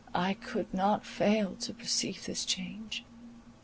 I could not fail to perceive this change.